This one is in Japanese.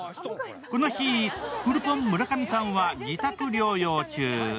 この日、フルポン村上さんは自宅療養中。